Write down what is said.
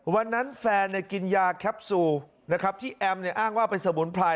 วันนั้นแฟนกินยาแคปซูนะครับที่แอ้มเนี่ยอ้างว่าเป็นสมุนไพร